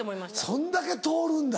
そんだけ通るんだ。